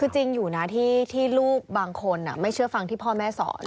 คือจริงอยู่นะที่ลูกบางคนไม่เชื่อฟังที่พ่อแม่สอน